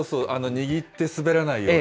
握って滑らないように。